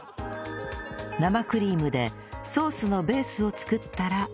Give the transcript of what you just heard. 生クリームでソースのベースを作ったら